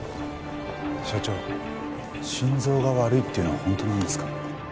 社長心臓が悪いっていうのは本当なんですか？